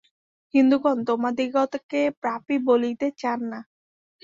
হিন্দুগণ তোমাদিগকে পাপী বলিতে চান না।